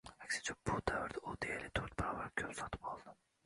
Aksincha, bu davrda u deyarli to'rt barobar ko'p sotib oldi